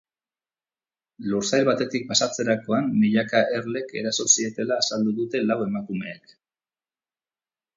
Lursail batetik pasatzerakoan milaka erlek eraso zietela azaldu dute lau emakumeek.